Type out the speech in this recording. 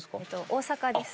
大阪です。